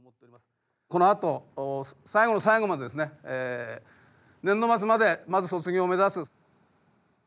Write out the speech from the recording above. このあと最後の最後までですね年度末までまず卒業を目指す。